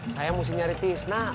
saya mesti nyari tisna